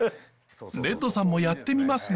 レッドさんもやってみますが。